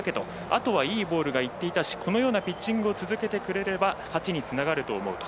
あとはいいボールがいっていたしこのようなピッチングを続けてくれれば勝ちにつながると思うと。